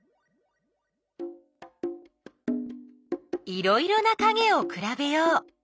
いろいろなかげをくらべよう！